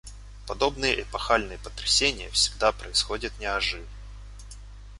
Подобные эпохальные потрясения всегда происходят неожиданно.